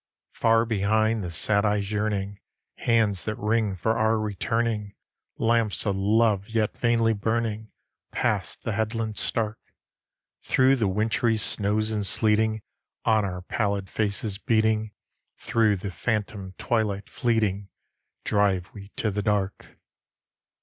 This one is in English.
Far behind, the sad eyes yearning, Hands that wring for our returning, Lamps of love yet vainly burning: Past the headlands stark! Through the wintry snows and sleeting, On our pallid faces beating, Through the phantom twilight fleeting. Drive we to the dark.